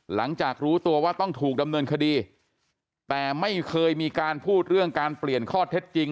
หลังจากรู้ตัวว่าต้องถูกดำเนินคดีแต่ไม่เคยมีการพูดเรื่องการเปลี่ยนข้อเท็จจริง